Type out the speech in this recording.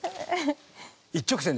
一直線。